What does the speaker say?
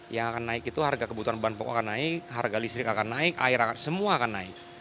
yang akan naik itu harga kebutuhan bahan pokok akan naik harga listrik akan naik air akan semua akan naik